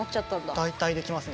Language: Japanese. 大体できますね。